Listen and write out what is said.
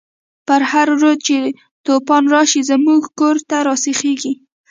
په هر رود چی توفان راشی، زمونږ کور ته راسیخیږی